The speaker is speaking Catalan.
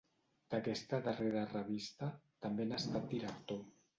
D’aquesta darrera revista, també n’ha estat director.